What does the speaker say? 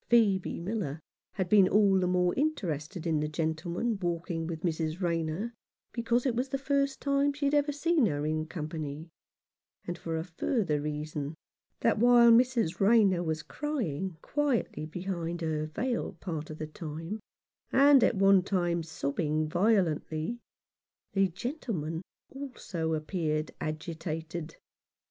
Phcebe Miller had been all the more interested in the gentleman walking with Mrs. Rayner, because it was the first time she had ever seen her in company ; and for a further reason that while Mrs. Rayner was crying quietly behind her veil part of the time, and at one time sobbing violently, the gentleman also appeared agitated.